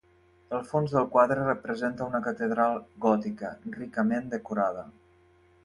El fons del quadre representa una catedral gòtica, ricament decorada.